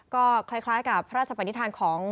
ก็คล้ายกับพระราชประณิทธารของ